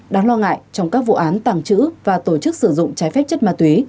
đáng lo ngại trong các vụ án tàng trữ và tổ chức sử dụng trái phép chất ma túy